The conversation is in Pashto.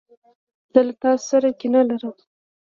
زه له تاسو سره کینه لرم.